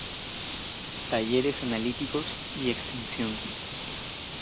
Talleres analíticos y extensión.